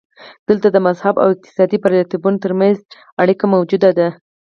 دلته د مذهب او اقتصادي بریالیتوبونو ترمنځ اړیکه موجوده ده.